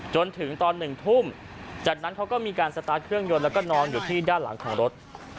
จนถึงตอน๑ทุ่มจากนั้นเขาก็มีการสตาร์ทเครื่องยนต์แล้วก็นอนอยู่ที่ด้านหลังของรถ